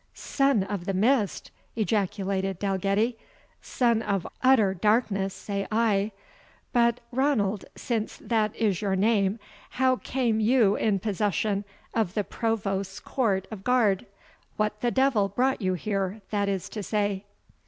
"Son of the Mist!" ejaculated Dalgetty. "Son of utter darkness, say I. But, Ranald, since that is your name, how came you in possession of the provost's court of guard? what the devil brought you here, that is to say?"